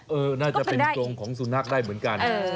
น่าจะเป็นกรงของสุนัขได้เหมือนกัน